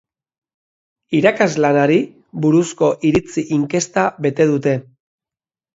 Irakaslanari buruzko iritzi-inkesta bete dute.